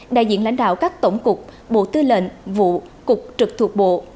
đại diện lãnh đạo các tổng cục bộ tư lệnh vụ cục trực thuộc bộ